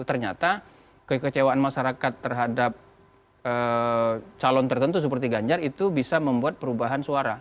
ternyata kekecewaan masyarakat terhadap calon tertentu seperti ganjar itu bisa membuat perubahan suara